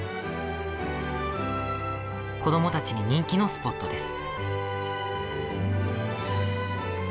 子どもたちに人気のスポットです。